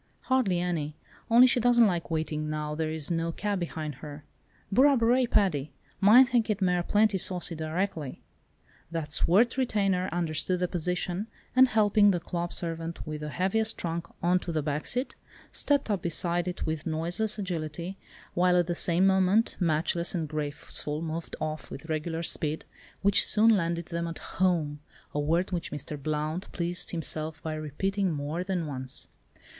"Hardly any, only she doesn't like waiting, now there is no cab behind her. Burra burrai, Paddy! Mine thinkit mare plenty saucy direckaly." That swart retainer understood the position, and helping the club servant with the heaviest trunk on to the back seat, stepped up beside it with noiseless agility, while at the same moment "Matchless" and "Graceful" moved off with regulated speed, which soon landed them at "home"—a word which Mr. Blount pleased himself by repeating more than once.